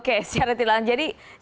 oke secara tidak langsung